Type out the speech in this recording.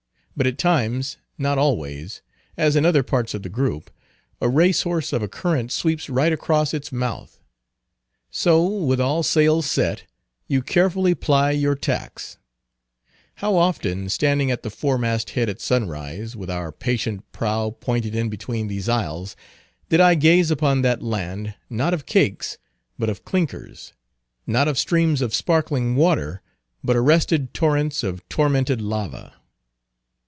But at times—not always, as in other parts of the group—a racehorse of a current sweeps right across its mouth. So, with all sails set, you carefully ply your tacks. How often, standing at the foremast head at sunrise, with our patient prow pointed in between these isles, did I gaze upon that land, not of cakes, but of clinkers, not of streams of sparkling water, but arrested torrents of tormented lava.